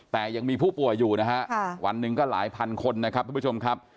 แต่ยังมีผู้ป่วยอยู่นะฮะวันหนึ่งก็หลายพันคนนะครับทุกผู้ชมครับ